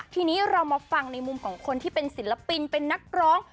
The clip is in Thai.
ทีนี้เรามาฟังในมุมของคนที่เป็นศิลปินเป็นนักร้อง